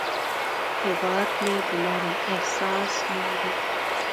هیواد مې د نرم احساس نوم دی